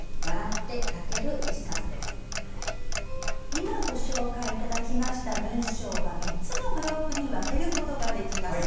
今ご紹介いただいた文章は３つのブロックに分けることができます。